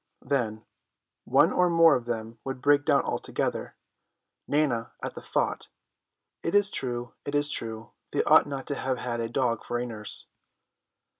Then one or more of them would break down altogether; Nana at the thought, "It's true, it's true, they ought not to have had a dog for a nurse."